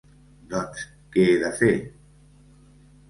Doncs què he de fer?